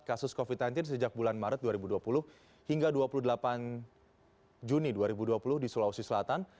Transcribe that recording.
kasus covid sembilan belas sejak bulan maret dua ribu dua puluh hingga dua puluh delapan juni dua ribu dua puluh di sulawesi selatan